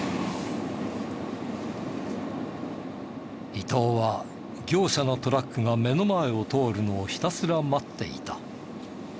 伊藤は業者のトラックが目の前を通るのをひたすら待っていた。